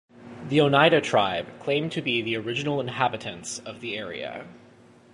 The Oneida tribe claim to be the original inhabitants of the area.